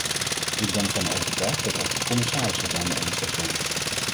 Ik ben ervan overtuigd dat ook de commissaris het daarmee eens zal zijn.